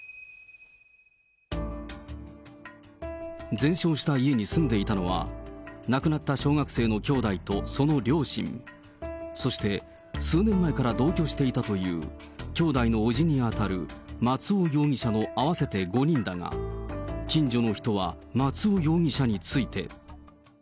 全焼した家に住んでいたのは、亡くなった小学生の兄弟とその両親、そして、数年前から同居していたという兄弟の伯父に当たる松尾容疑者の合わせて５人だが、近所の人は、松尾容疑者について。